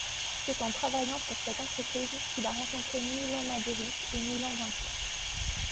C'est en travaillant pour cette entreprise qu'il a rencontré Milan Maděryč et Milan Vinkler.